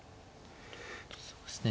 そうですね。